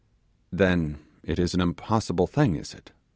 'Then it is an impossible thing, is it?